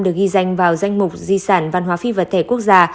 được ghi danh vào danh mục di sản văn hóa phi vật thể quốc gia